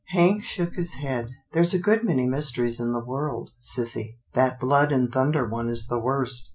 " Hank shook his head. " There's a good many mysteries in the world, sissy. That blood and thunder one is the worst.